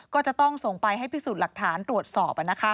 ก็จะต้องส่งไปให้พิสูจน์หลักฐานตรวจสอบ